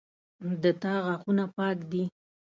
د تا غاښونه پاک دي